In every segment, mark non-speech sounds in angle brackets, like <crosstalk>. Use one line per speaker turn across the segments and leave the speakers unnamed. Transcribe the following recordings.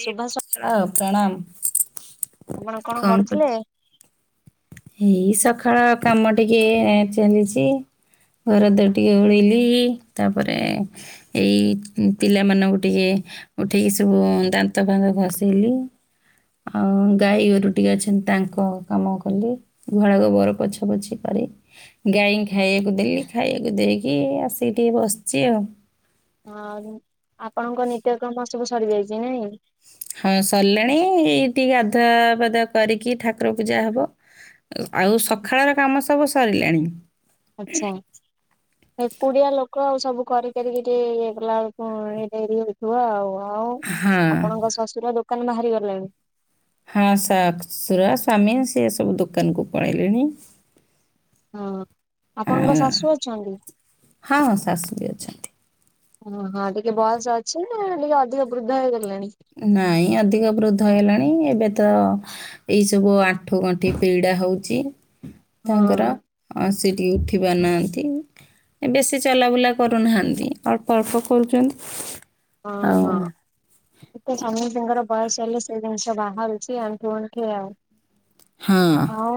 ସୁଭାଷ
ଆ ପ୍ରଣାମ।
ଆପଣ କଣ କରୁଥିଲେ?
ଏଇ ସକାଳ କାମ ଟିକେ ଚେଲିଛି। ଘର ଦ୍ବାର ଟିକେ ଓଳେଇଲିି ତାପରେ ଏଇ ପିଲାମାନଙ୍କୁ ଟିକେ ଉଠିକି ସବୁ ଦାନ୍ତ ଫାନ୍ତ ଘଷେଇଲି। ଆଉ ଗାଈଗୋରୁ ଟିକେ ଅଛନ୍ତି ତାଙ୍କ କାମ କଲି ଗୁହାଳ ଗୋବର ପୋଛା ପୋଛି କରି ଗାଈଙ୍କୁ ଖାଇବାକୁ ଦେଲି, ଖାଇବାକୁ ଦେଇକି ଆସିକି ଟିକେ ବସିଚି ଆଉ।
ହଁ ଆପଣଙ୍କ ନିତ୍ୟ କର୍ମ ସବୁ ସରିଯାଇଚି ନାଇଁ।
ହଁ ସରିଲାଣି ଟିକେ ଗାଧୁଆ ପାଧୁଆ କରିକି ଠାକୁର ପୂଜା ହବ। ଆଉ ସକାଳର କାମ ସବୁ ସରିଲାଣି।
ଆଚ୍ଛା। ଏ କୁଡିଆ ଲୋକ ଆଉ ସବୁ କରି କାରିକି ଟିକେ ଇଏ ଗଲା ବେଳକୁ ଡେରି ହଉଥିବ ଆଉ। ଆଉ
ହଁ,
ଆପଣଙ୍କ ଶଶୁର ଦୋକାନ ବାହାରି ଗଲେଣି?
ହଁ ଶଶୁର ସ୍ୱାମୀ ସେ ସବୁ ଦୋକାନକୁ ପଳେଇଲେଣି।
ହଁ ଆପଣଙ୍କ
ଆଉ
ଶାଶୁ ଅଛନ୍ତି?
ହଁ ଶାଶୁ ବି ଅଛନ୍ତି।
ଓ ହଁ ଟିକେ ବୟସ ଅଛି ନା ଟିକେ ଅଧିକ ବୃଦ୍ଧ ହେଇଗଲେଣି?
ନାଇଁ ଅଧିକ ବୃଦ୍ଧ ହେଲେଣି। ଏବେ ତ ଏଇ ସବୁ ଆଣ୍ଠୁ ଗଣ୍ଠି ପିଡା ହଉଚି
ହଁ
ତାଙ୍କର। ଆଉ ସେ ଟିକେ ଉଠି ପାରୁନାହାନ୍ତି। ଏ ବେଶୀ ଚଲାବୁଲା କରୁନାହାଁନ୍ତି। ଅଳ୍ପ ଅଳ୍ପ କରୁଚନ୍ତି।
ହଁ
ଆଉ
ହଁ ଇତ ସମସ୍ତଙ୍କର ବୟସ ହେଲେ ସେ ଜିନିଷ ବାହାରୁଚି ଆଣ୍ଠୁ ଆଣ୍ଠି ଆଉ।
ହଁ।
ଆଉ?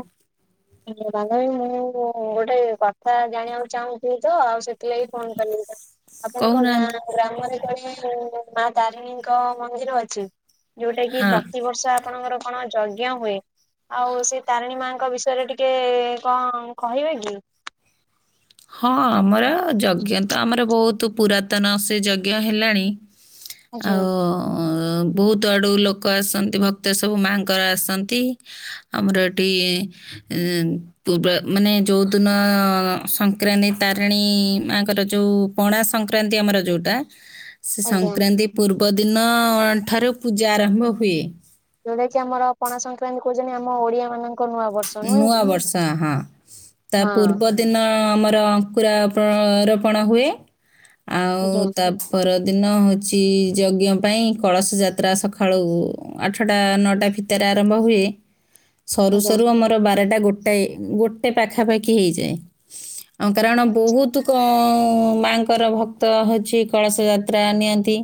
ବାଧବୀ ମୁଁ ଗୋଟେ କଥା ଜାଣିବାକୁ ଚାହୁଁଚି ତ ଆଉ ସେଥିଲାଗି ଫୋନ କଲି। ଆପଣଙ୍କ
କହୁନାହାନ୍ତି
ଗାଁ ଗ୍ରାମରେ କୁଆଡେ ମା ତାରିଣୀଙ୍କ ମନ୍ଦିର ଅଛି? ଯୋଉଟା କି
ହଁ।
ପ୍ରତିିବର୍ଷ ଆପଣଙ୍କର କଣ ଯଜ୍ଞ ହୁଏ। ଆଉ ସେଇ ତାରିଣୀ ମାଙ୍କ ବିସ ୟରେ ଟିକେ କଣ କହିବେ କି।
ହଁ ଆମର ଯଜ୍ଞ ତ ଆମର ବହୁତ ପୁରାତନ ସେ ଯଜ୍ଞ ହେଲାଣି।
ଆଜ୍ଞା
ଆଉ ବହୁତ ଆଡୁ ଲୋକ ଆସନ୍ତି ଭକ୍ତ ସବୁ ମାଙ୍କର ଆସନ୍ତି। ଆମର ଏଠି ଏ ପୂବ ମାନେ ଯୋଉଦିନ ସଂ ସଂକ୍ରାନ୍ତି ତାରିଣୀ ମାଙ୍କର ଯୋଉ ପଣା ସଂକ୍ରାନ୍ତି ଆମର ଯୋଉଟା ସେ
ଆଜ୍ଞା।
ସଂକ୍ରାନ୍ତି ପୂର୍ବଦିନ ଠାରୁ ପୂଜା ଆରମ୍ଭ ହୁଏ।
ଯୋଉଟା କି ଆମର ପଣା ସଂକ୍ରାନ୍ତି କହୁଚନ୍ତି ଆମ ଓଡିଆ ମାନଙ୍କ ନୂଆ ବର୍
ନୂଆ ବର୍ଷ ହ ତା
ହଁ
ପୂର୍ବ ଦିନ ଆମର ଅଙ୍କୁୁର ର ରୋପଣ ହୁଏ
ଆଜ୍ଞା
ଆଉ ତାପ୍ ପରଦିନ ହଉଚି ଯଜ୍ଞ ପାଇଁ କଳସ ଯାତ୍ରା ସକାଳୁ ଆଠଟା ନଅଟା ଭିତ ଯାତ୍ରା ଆରମ୍ଭ ହୁଏ। ସରୁ
ଆଜ୍ଞା
ସରୁ ଆମର ବାରଟା ଗୋଟାଏ ଗୋଟେ ପାଖାପାଖି ହେଇଯାଏ। ହଁ କାରଣ ବହୁତ କ ମା ଙ୍କର ଭକ୍ତ ଅଉଛି କଳସ ଯାତ୍ରା ନିଅନ୍ତି।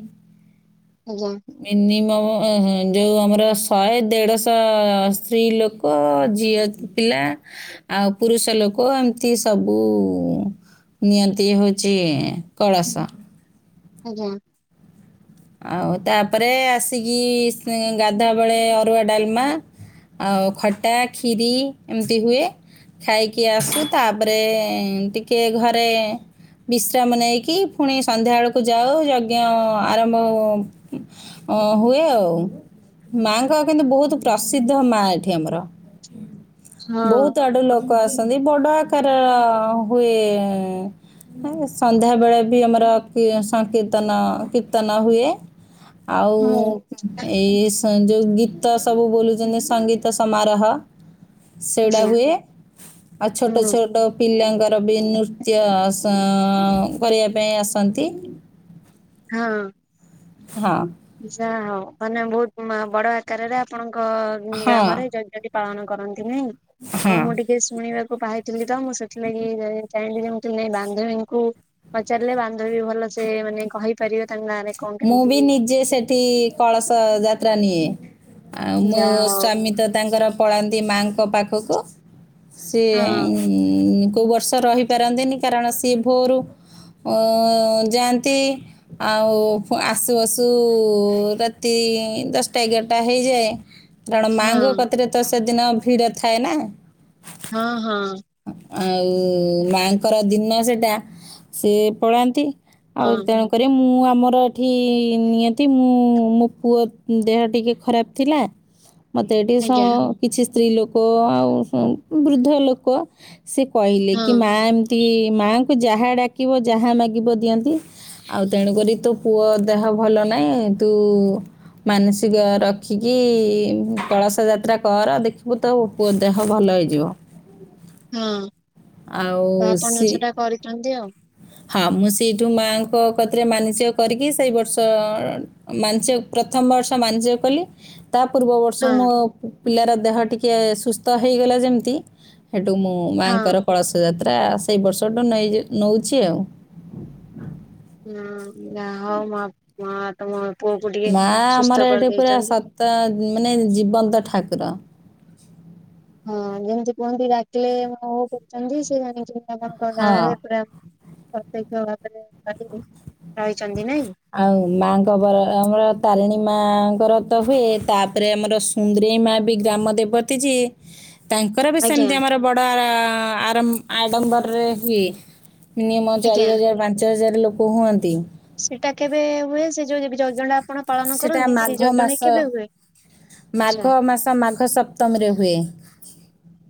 ଆଜ୍ଞା।
ମିନିମମ ଯୋଉ ଆମର ଶହେ ଦେଢଶହ ସ୍ତ୍ରୀ ଲୋକ ଲୋକ ଝିଅ ପିଲା ଆଉ ପୁରୁଷ ଲୋକ ଏମିତି ସବୁ ନିଅନ୍ତି ହେଉଛି କଳସ।
ଆଜ୍ଞା।
ଆଉ ତାପରେ ଆସିକି ଗାଧୁଆ ବେଳେ ଅରୁଆ ଡାଲମା ଆଉ ଖଟା କ୍ଷୀରି ଏମିତି ହୁଏ। ଖାଇକି ଆସୁ ତାପରେ ଟିକେ ଘରେ ବିଶ୍ରାମ ନେଇକି ପୁଣି ସନ୍ଧ୍ୟାବେଳକୁ ଯାଉ ଯଜ୍ଞ ଆରମ୍ଭ ହୁଏ ଆଉ। ମାଙ୍କ କିନ୍ତୁ ବହୁତ ପ୍ରସିଦ୍ଧ ମା ଏଠି ଆମର।
ହଁ।
ବହୁତ ଆଡୁ ଲୋକ ଆସନ୍ତି ବଡ ଆକାର ହୁଏ। ହୁଁ ସନ୍ଧ୍ୟାବେଳେ ବି ଆମର କି ସଂକୀର୍ତ୍ତନ କୀର୍ତ୍ତନ ହୁଏ ଆଉ
ହଁ
ଏଇ ଯେଉ ଗୀତ ସବୁ ବୋଲୁଛନ୍ତି ସଙ୍ଗୀତ ସମାରହ। ସେଗୁଡ଼ା
ଆଜ୍ଞା
ହୁଏ ଆଉ ଛୋଟ
ହଁ
ଛୋଟ ପିଲାଙ୍କର ବି ନୃତ୍ୟ କରିବା ସ କରିଆ ପାଇଁ ଆସନ୍ତି।
ହଁ।
ହଁ।
ଯା ହଉ ମାନେ ବହୁତ ବଡ ଆକାରରେ ଆପଣଙ୍କ
ହଁ
ଗ୍ରାମରେ ଯ ଯଦି ପାଳନ କରନ୍ତି ନାଇଁ ହଁ ମୁଁ ଟିକେ ଶୁଣିବାକୁ ପାଇଥିଲି ତ ମୁଁ ସେଥିଲାଗି ଚାହିଁଥିଲି ଯେମତି ବାନ୍ଧବୀଙ୍କୁ ପଚାରିଲେ ବାନ୍ଧବୀ ଭଲସେ ମାନେ କହିପାରିବେ ତାଙ୍କ ଗାଁରେ କଣ କେମିତି
ଏଠି କଳସ ଯାତ୍ରା ନିଏ ଆଉ ମୋ
ଯାହା
ସ୍ଵାମୀ ତ ତାଙ୍କର ପଳାନ୍ତି ମାଆଙ୍କ ପାଖକୁ ସିଏ
ହଉ
କୋଉ ବର୍ଷ ରହିପାରନ୍ତିନି କାରଣ ସିଏ ଭୋରୁ ଓ ଯାଆନ୍ତି। ଆଉ ଆସୁ ଆସୁ ରାତି ଦଶଟା ଏଗାରଟା ହେଇଯାଏ। କାରଣ
ହଁ ହଁ
ମାଙ୍କ କତିରେ ତ ସେଦିନ ଭିଡ ଥାଏ ନା।
ହଁ ହଁ।
ଆଉ ମାଙ୍କର ଦିନ ସେଟା ସିଏ ପଳାନ୍ତି। ଆଉ
ହଁ
ତେଣୁ କରେ ମୁଁ ଆମର ଏଠି ନିଅନ୍ତି ମୁଁ ମୋ ପୁଅ ଦେହ ଟିକେ ଖରାପ ଥିଲା।
<unintelligible>
ମତେ ଏଠି କିଛି ସ
ଆଜ୍ଞା
କିଛି ସ୍ତ୍ରୀ ଲୋକ ଆଉ ବୃଦ୍ଧ ଲୋକ ସେ କହିଲେ କି
ହଁ
ମା ଏମତି ମାଙ୍କୁ ଯାହା ଡାକିବ ଯାହା ମାଗିବ ଦିଅନ୍ତି। ଆଉ ତେଣୁକରି ତୋ ପୁଅ ଦେହ ଭଲ ନାହିଁ ତୁ ମାନସିକ ରଖିକି କଳସ ଯାତ୍ରା କର ଦେଖିବୁ ତୋ ପୁଅ ଦେହ ଭଲ ହେଇଯିବ।
ହଁ ତ
ଆଉ
ଆପଣ
ସି
ସେଟା କରିଥାନ୍ତି ଆଉ।
ହଁ, ମୁଁ ସେଇଠୁ ମାଆଙ୍କ କତିରେ ମାନସିକ କରିକି ସେଇ ବର୍ଷ ଅ, ମାନସିକ ପ୍ରଥମ ବର୍ଷ ମାନସିକ କଲି। ତା ପୂର୍ବବର୍ଷ
ହଁ
ମୋ ପିଲାର ଦେହ ଟିକିଏ ସୁସ୍ଥ ହେଇଗଲା ଯେମିତି। ସେଠୁ ମୁଁ
ହଁ
ମାଆଙ୍କର କଳସ ଯାତ୍ରା ସେଇ ବର୍ଷଠୁ ନେଇ ନଉଛି ଆଉ।
ହଁ, ଯାହା ହଉ ମା ମା ତୁମ ପୁଅ କୁ ଟିକେ ସୁସ୍ଥ କରିଦେଇଚନ୍ତି।
ତ ମାନେ ଜୀବନ୍ତ ଠାକୁର।
ହଁ, ଯେମିତି କୁହନ୍ତି, ଡାକିଲେ ମୋ ହୋ କହୁଛନ୍ତି ସେ ଜାଣିଛନ୍ତି ଆପଣଙ୍କ ଗାଁ
ହଁ
ରେ ପୁରା ପ୍ରତ୍ୟକ୍ଷ ଭାବରେ <inaudible> ରହିଛନ୍ତି ନାଇଁ?
ଆଉ ମାଙ୍କ ବର ଆମର ତାରିଣୀ ମାଙ୍କର ତ ହୁଏ, ତାପରେ ଆମର ସୁ ନ୍ଦରେଇ ମା ବି ଗ୍ରାମ ଦେବତୀ ଯେ ତାଙ୍କର ବି
ଆଜ୍ଞା
ସେମିତି ଆମର ବଡ଼ ଆରମ୍ ଆଡମ୍ବରରେ ହୁଏ। ମିନିୟମ ଚାରି
ଆଜ୍ଞା
ହଜାର ପାଞ୍ଚ ହଜାର ଲୋକ ହୁଅନ୍ତି।
ସେଟା କେବେ ହୁଏ ସେ ଯୋଉ ଯ- ଯଜ୍ଞ ଟା। ଆପଣ ପାଳନ
ସେଟା
କରନ୍ତି ସେ
ମାଘ
ଯଜ୍ଞ ଟା
ମାସ।
କେବେ ହୁଏ? ଆଚ୍ଛା
ମାଘ ମାସ ମାଘ ସପ୍ତମୀରେ ହୁଏ।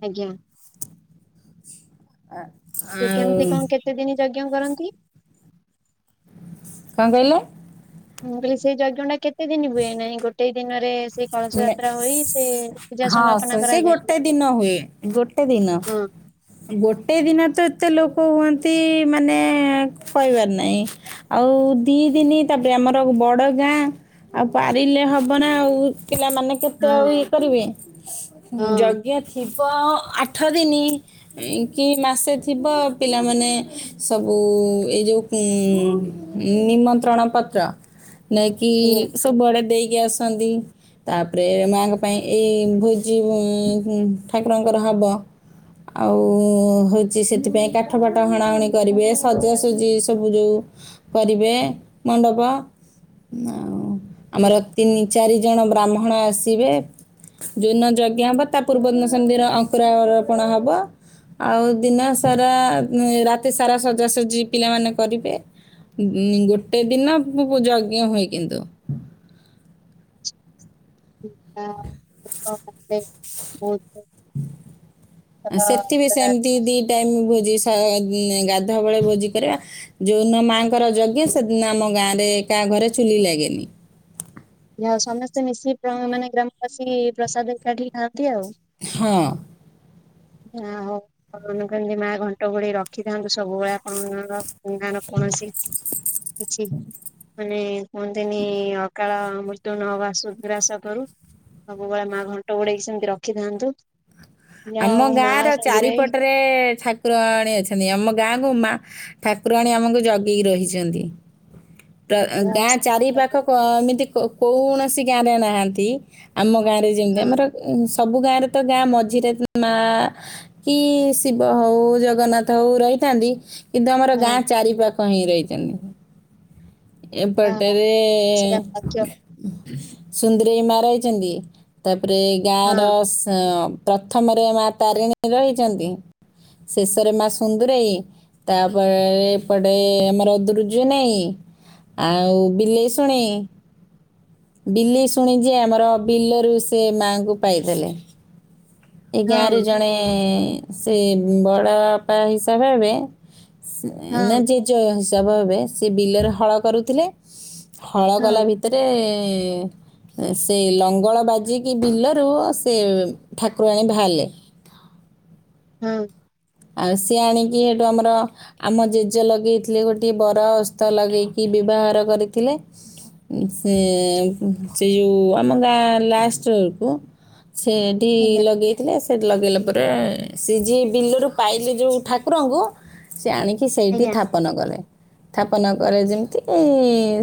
ଆଜ୍ଞା।
ଅ,
ସେ କେମିତି
ଆଉ
କଣ କେତେ ଦିନ ଯଜ୍ଞ କରନ୍ତି।
କଣ କହିଲେ?
ମୁଁ କହିଲି ସେଇ ଯଜ୍ଞ ଟା କେତେ ଦିନ ହୁଏ? ନାହିଁ ଗୋଟେ ଦିନରେ ସେ କଳସ ଯାତ୍ରା ହୋଇ ପୂଜା
ନେ-ହଁ,
ସମାପନ
ସେ ସେଇ
କରାଯାଏନି।
ଗୋଟେ ଦିନ ହୁଏ ଗୋଟେ ଦିନ।
ହଁ
ଗୋଟେ ଦିନ ତ ଏତେ ଲୋକ ହୁଅନ୍ତି ମାନେ କହିବାର ନାହିଁ। ଆଉ ଦି ଦିନି ତାପରେ ଆମର ବଡ ଗାଁ, ଆଉ ପାରିଲେ ହବନା ଆଉ। ପିଲାମାନେ କେତେ ଆଉ
ହଁ
ଇଏ କରିବେ? ହୁଁ,
ହଁ
ଯଜ୍ଞ ଥିବ ଆଠ ଦିନି ଏଇ କି ମାସେ ଥିବ ପିଲାମାନେ ସବୁ ଏଇ ଯୋଉ ହୁଁ, ନିମନ୍ତ୍ରଣ ପତ୍ର
ହ <unintelligible>
ନେଇକି ସବୁଆଡେ ଦେଇକି ଆସନ୍ତି। ତାପରେ ମାଆଙ୍କ ପାଇଁ ଏଇ ଭୋଜି ଉଁ, ଠାକୁରଙ୍କର ହବ। ଆଉ ହଉଛି ସେଥିପାଇଁ କାଠ ପାଠ ହଣାହଣି କରିବେ। ସଜାସଜି ସବୁ ଯୋଉ କରିବେ ମଣ୍ଡପ, ଆଉ ଆମର ତିନି ଚାରି ଜଣ ବ୍ରାହ୍ମଣ ଆସିବେ। ଯୋଉ ଦିନ ଯଜ୍ଞା ହବ ତା ପୂର୍ବଦିନ ସନ୍ଦିର ଅଙ୍କୁରରୋପଣ ହବ। ଆଉ ଦିନ ସାରା ଏ ରାତି ସାରା ସଜାସଜି ପିଲାମାନେ କରିବେ। ଉଁ, ଗୋଟେ ଦିନ ପ-ପ-ଯଜ୍ଞ ହୁଏ କିନ୍ତୁ।
<inaudible>
ଆ, ସେଠି ବିି ସେମିତି ଦି ଟାଇମ୍ ଭୋଜି ସା- ନେ-ଗାଧୁଆ ବେଳେ ଭୋଜି କରିବା। ଯୋଉଦିନ ମାଆଙ୍କର ଯଜ୍ଞ ସେଦିନ ଆମ ଗାଁରେ କାହା ଘରେ ଚୁଲି ଲାଗେନି।
ଯାହା ହଉ ସମସ୍ତେ ମିଶି ପ୍ର- ମାନେ ଗ୍ରାମବାସୀ ପ୍ରସାଦ ଏକାଠି ଖାଆନ୍ତି ଆଉ।
ହଁ।
ଆ, ହଉ ଆପଣ ମାନଙ୍କୁ ଏମିତି ମା ଘଣ୍ଟ ଘୋଡେଇ ରଖିଥାନ୍ତୁ, ସବୁବେଳେ ଆପଣ ମାନଙ୍କ ତୋମ ଗାଁର କୌଣସି କିଛି ମାନେ କୁହନ୍ତିନି ଅକାଳ ମୃତ ନ ବାସୁ ଗ୍ରାସ କରୁ। ସବୁବେଳେ ମା ଘଣ୍ଟ ଗୋଡେଇକି ସେମିତି ରଖିଥାନ୍ତୁ। ଯାହା
ଆମ
ହଉ
ଗାଁ
ମା
ର
ଚନ୍ଦୁରାଇ
ଚାରିପଟରେ ଠାକୁରଣୀ ଅଛନ୍ତି। ଆମ ଗାଁକୁ ମା ଠାକୁରାଣୀ ଆମକୁ ଜଗି କି ରହିଛନ୍ତି। ତ
ଯାହା ହଉ
ଗାଁ ଚାରି ପାଖ ଏମିତି କ କୌଣସି ଗାଁ ରେ ନାହାନ୍ତି। ଆମ ଗାଁ ରେ ଯେମତି,
ହଁ
ଆମର ସବୁ ଗାଁରେ ତ ଗାଁ ମଝିରେ କି ମା, କି ଶିବ ହଉ, ଜଗନ୍ନାଥ ହଉ ରହିଥାନ୍ତି। କିନ୍ତୁ ଆମର
ହଁ
ଗାଁ ଚାରି ପାାଖ ହିଁ ରହିଛନ୍ତି।
ହଁ
ଏପଟ
ହଁ
ରେ
ସେଟା ଭାଗ୍ୟ
ସୁନ୍ଦରେଇ ମା ରହିଛନ୍ତି। ତାପରେ ଗାଁ ର
ହଁ
ସ ପ୍ର ପ୍ରଥମରେ ମା ତାରିଣୀ ରହିଛନ୍ତି। ଶେଷରେ ମା ସୁନ୍ଦୁରେଇ ତାପରେ ଏପଟେ ଆମର ଦୃଯ୍ୟୁନେଇ ଆଉ ବିଲେଇ ଶୁଣି ବିଲେଇ ଶୁଣି ଯିଏ ଆମର ବିଲରୁ ସେ ମାଆଙ୍କୁ ପାଇଥେଲେ। ଏ ଗାଁରେ
ହଁ
ଜଣେ ସେ ବଡ଼ ବାପା ହିସାବ ହେବେ ନା
ହଁ
ଜେଜ ହିସାବ ହେବେ ସେ ବିଲରେ ହଳ କରୁଥିଲେ। ହଳ କଲା
ହଁ
ଭି ତରେ ସେ ଲଙ୍ଗଳ ବାଜିକି ବିଲରୁ ସେ ଠାକୁରାଣୀ ବାହାରିଲେ।
ହଁ।
ଆ ସିଏ ଆଣିକି ସେଇଠୁ ଆମର ଆମ ଜେଜ ଲଗେଇଥିଲେ ଗୋଟିଏ ବର ଓସ୍ତ ଲଗେଇକି ବିଭାଘର କରିଥିଲେ। ସେ ସେ ଯୋଉଁ ଆମ ଗାଁ ଲାଷ୍ଟବେଳକୁ ସେ ଏଠି
ଆଜ୍ଞା
ଲଗେଇଥିଲେ। ସେଠି ଲଗେଇଲା ପରେ ସେ ଯିଏ ବିଲରୁ ପାଇଲେ ଯୋଉ ଠାକୁରଙ୍କୁ ସେ ଆଣିକି ସେଇଠି
ଆଜ୍ଞା
ଥାପନ କଲେ। ସ୍ଥାପନ କରେ ଯେମିତି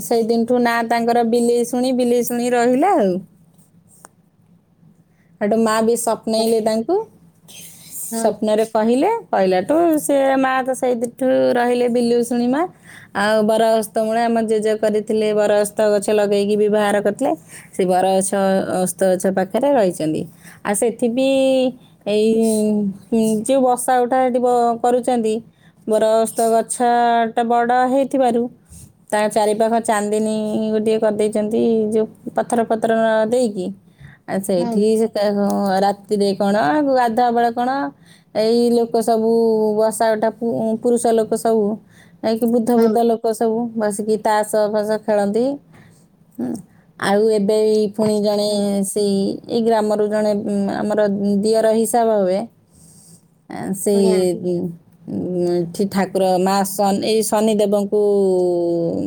ସେଇଦିନଠୁ ନା ତାଙ୍କର ବିଲେଇଶୁଣି ବିଲେଇଶୁଣି ରହିଲା ଆଉ ସେଠୁ ମା ବି ସପ୍ନେଇଲେ ତାଙ୍କୁ
ଆଜ୍ଞା,
ସପ୍ନରେ କହିଲେ। କହିଲାଠୁ ସେ ମା ତ ସେଇଦିନଠୁ ରହିଲେ ବିଲୁଇଶୁଣ ମା। ଆଉ ବର ଓସ୍ତ ମୂଳେ ଆମ ଜେଜେ କରିଥିଲେ। ବର ଓସ୍ତ ଗଛ ଲଗେଇକି ବିଭା ଘର କରିଥିଲେ। ସେ ବରଗଛ ଓସ୍ତଗଛ ପାଖରେ ରହିଛନ୍ତି। ଆଉ ସେଠିବି ଏଇ ଯୋଉ ବସା ଉଠା ସେଠି କରୁଛନ୍ତି। ବର ଓସ୍ତ ଗଛ ଟା ବଡ଼ ହେଇଥିବାରୁ ତା ଚାରିପାଖ ଚାନ୍ଦିନୀ ଗୋଟିଏ କରିଦେଇଛନ୍ତି। ଯୋଉ ପଥର ଫଥର ଦେଇକି। ଆ ସେଇଠି ସେତ ରାତିରେ କଣ ଗାଧୁଆ ବେଳେ କଣ ଏଇ ଲୋକ ସବୁ ବଷା ଉଠା ପୁ- ପୁରୁଷ ଲୋକ ସବୁ ଏକି ବୁଦ୍ଧ
ହଁ
ବୁଦ୍ଧ ଲୋ କ ସବୁ ବସିକି ତାସ ଫାଶ ଖେଳନ୍ତି। ଆଉ ଏବେ ଏଇ ପୁଣି ଜଣେ
ହଁ ହଁ
ସେଇ ଏଇ ଗ୍ରାମରୁ ଜଣେ ଆମର ଦିଅର ହିସାବ ହେବେ ଏଁ
ଆଜ୍ଞା
ସେଇ ଉଁ ଠି ଠାକୁର ମା ଶ ଏଇ ଶନିଦେବଙ୍କୁ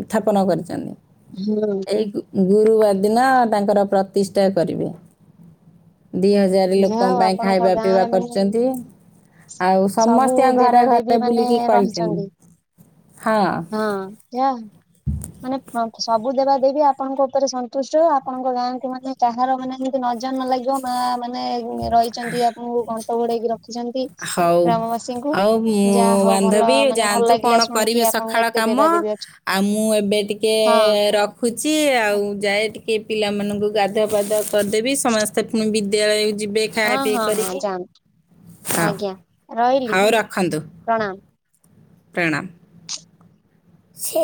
ସ୍ଥାପନ କରିଛନ୍ତି।
ହୁଁ।
ଏଇ ଗୁରୁବାର ଦିନ ତାଙ୍କର ପ୍ରତିଷ୍ଠା କରିବେ ଦି ହଜାର
ଯାହା
ଲୋକଙ୍କ
ହଉ
ପାଇଁ
ଆପଣଙ୍କ
ଖାଇବା
ଗାଁ
ପିଇବା
ରେ ମାନେ
କରିଛନ୍ତି। ଆଉ
ସବୁ
ସମସ୍ତି ଙ୍କ ଘରେ
ଦେବାଦେବୀ
ଘରେ
ମାନେ
ବୁଲିକି କହିଛନ୍ତି।
ରହିଛନ୍ତି। ହଁ, ଯା ମାନେ ସବୁ ଦେବା ଦେବି ଆପଣଙ୍କ ଉପରେ ସନ୍ତୁଷ୍ଟ, ଆପଣଙ୍କ ଗାଁକୁ ମାନେ କାହାର ମାନେ ନଜର ନ ଲାଗିବ ମା ମାନେ ରହିଛନ୍ତି, ଆପଣଙ୍କୁ ଘଣ୍ଟ ଘୋଡେଇକି ରଖିଛନ୍ତି।
ହଉ
ଗ୍ରାମବାସୀଙ୍କୁ
ଆଉ ମୁଁ
ଯାହା ହଉ ଭଲ
ବାନ୍ଧବୀ
ମାନେ ଭଲ
ଯାଆନ୍ତୁ କଣ
ଲାଗିଲା
କରିବେ
ଶୁଣିକି ଆପଣଙ୍କ
ସକାଳ
ଏତେ
କାମ।
ଦେବାଦେବୀ ଅଛନ୍ତି।
ଆଉ ମୁଁ ଏବେ ଟିକେ
ହଁ
ରଖ ହୁଛି ଆଉ ଯାଏ ଟିକେ ପିଲାମାନଙ୍କୁ ଗାଧୁଆ ପାଧୁଆ କରିଦେବି ସମସ୍ତେ ପୁଣି ବିଦ୍ୟାଳୟ କୁ ଯିବେ।
ହଁ
ଖାଇବା ପିଇ
ହଁ ହଁ
କରିକି
ଯାଆନ୍ତୁ
ହଉ
ଆଜ୍ଞା ରହିଲି
ହଉ ରଖନ୍ତୁ
ପ୍ରଣାମ।
ପ୍ରଣାମ। ସେ